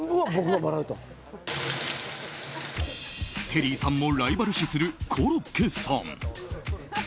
テリーさんもライバル視するコロッケさん。